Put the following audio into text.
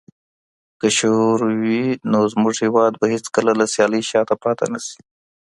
که شعور وي، نو زموږ هېواد به هيڅکله له سيالۍ شاته پاته نسي.